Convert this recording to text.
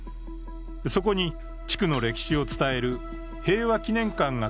そこに地区の歴史を伝える平和祈念館が